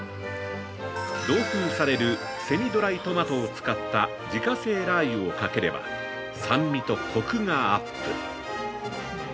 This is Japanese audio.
同封されるセミドライトマトを使った「自家製ラー油」をかければ、酸味とコクがアップ。